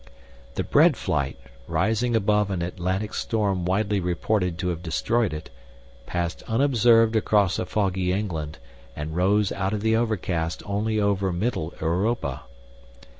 The bread flight, rising above an Atlantic storm widely reported to have destroyed it, passed unobserved across a foggy England and rose out of the overcast only over Mittel europa.